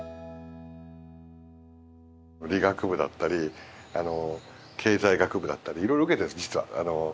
理学部だったり経済学部だったりいろいろ受けているんです実は。